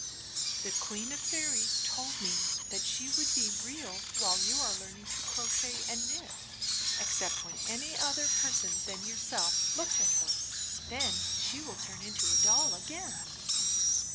"The Queen of Fairies told me that she would be real while you are learning to crochet and knit, except when any other person than yourself looked at her. Then she wiU turn into a doU again."